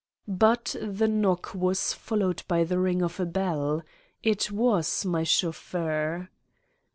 But the knock was followed by the ring of a bell : it was my chauffeur.